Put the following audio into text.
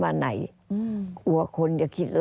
อันดับ๖๓๕จัดใช้วิจิตร